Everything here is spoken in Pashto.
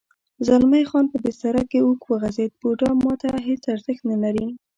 زلمی خان په بستره کې اوږد وغځېد: بوډا ما ته هېڅ ارزښت نه لري.